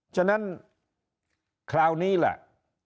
ฉะนั้นคราวนี้แหละ